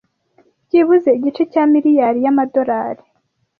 byibuze igice cya miliyari y'amadorari